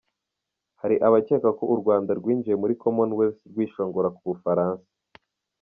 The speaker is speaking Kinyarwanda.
Hari abakeka ko u Rwanda rwinjiye muri Commonwealth rwishongora ku Bufaransa.